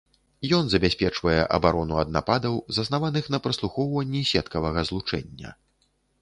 Ён забяспечвае абарону ад нападаў, заснаваных на праслухоўванні сеткавага злучэння.